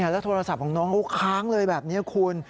แล้วโทรศัพท์ของน้องเขาค้างเลยแบบนี้คุณ